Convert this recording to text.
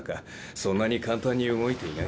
そんなに簡単に動いていない。